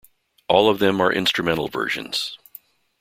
All of them are instrumental versions.